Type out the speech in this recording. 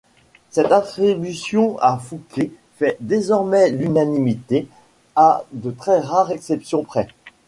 Cette attribution à Fouquet fait désormais l'unanimité, à de très rares exceptions près.